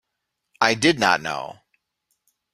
I did not know.